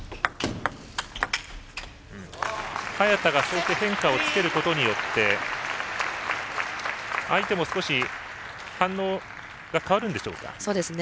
早田がそうして変化をつけることによって相手も少し反応が変わるんでしょうか。